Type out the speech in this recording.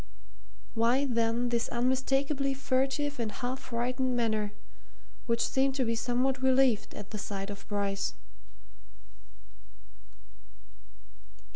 Why, then, this unmistakably furtive and half frightened manner which seemed to be somewhat relieved at the sight of Bryce?